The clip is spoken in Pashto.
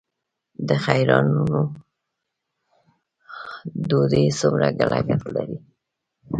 د خیراتونو ډوډۍ څومره لګښت لري؟